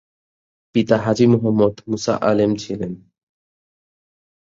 পিতা হাজী মোহাম্মদ মুসা আলেম ছিলেন।